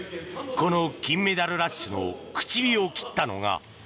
この金メダルラッシュの口火を切ったのが。